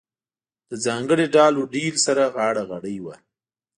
له ځانګړي ډال و ډیل سره غاړه غړۍ وه.